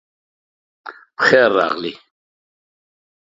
پخیر راغلی